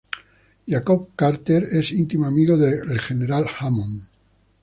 Jacob Carter es íntimo amigo del General Hammond.